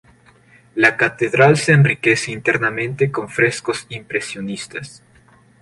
La catedral se enriquece internamente con frescos impresionistas.